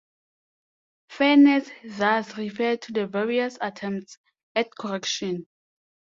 Fairness thus refers to the various attempts at correction.